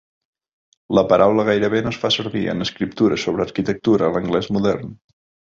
La paraula gairebé no es fa servir en escriptura sobre arquitectura a l'anglès modern.